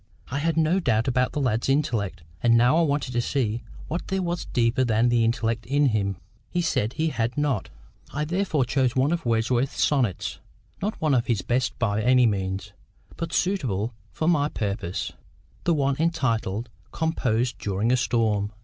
I had no doubt about the lad's intellect, and now I wanted to see what there was deeper than the intellect in him. He said he had not. I therefore chose one of Wordsworth's sonnets, not one of his best by any means, but suitable for my purpose—the one entitled, "Composed during a Storm."